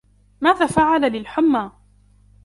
ماذا فعل للحمي ؟